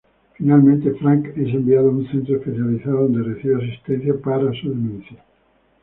Finalmente, Frank es enviado a un centro especializado donde recibe asistencia para su demencia.